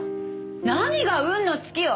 何が運の尽きよ。